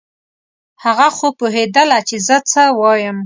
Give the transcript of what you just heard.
هغه خو پوهېدله چې زه څه وایم.